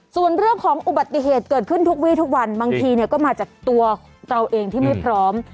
ส่วนเรื่องของอุบัติเหตุเกิดขึ้นทุกวีทุกวันบางทีก็มาจากตัวเราเองที่ไม่พร้อม